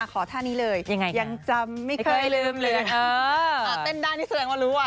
ขอท่านี้เลยยังจำไม่เคยลืมเลยเต้นได้นี่แสดงว่ารู้อ่ะ